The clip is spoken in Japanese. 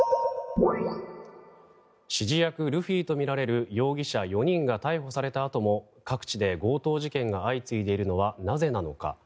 指示役ルフィとみられる容疑者４人が逮捕されたあとも各地で強盗事件が相次いでいるのはなぜなのか。